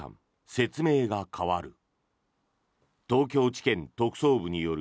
説明が変わる。